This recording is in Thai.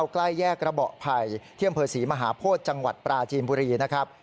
ใกล้แยกระเบาะไผ่ที่อำเภอศรีมหาโพธิจังหวัดปราจีนบุรีนะครับ